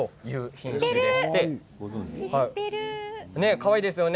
かわいいですよね。